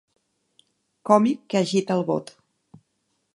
Còmic que agita el bot.